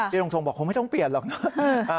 พี่ดรบอกคงไม่ต้องเปลี่ยนหรอก